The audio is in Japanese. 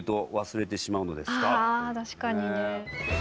あ確かにね。